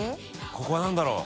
ここは何だろう？